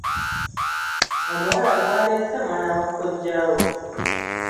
Omuwala gw'aleese mwana wa kojja we .